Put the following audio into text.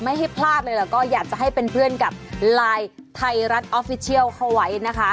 วันนี้เราลาไปก่อนสวัสดีครับ